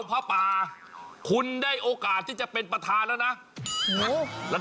ไปไม่ถึงประธานขอเป็นกรรมการก่อนเนี่ยไหม